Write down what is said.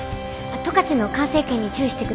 十勝の管制圏に注意してください。